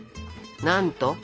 なんと。